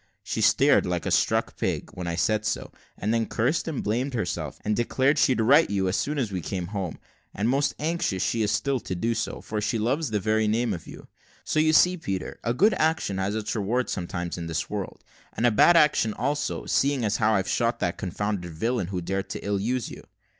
She stared like a stuck pig, when I said so, and then cursed and blamed herself, and declared she'd right you as soon as we came home; and most anxious she is still to do so, for she loves the very name of you; so you see, Peter, a good action has its reward sometimes in this world, and a bad action also, seeing as how I've shot that confounded villain who dared to ill use you.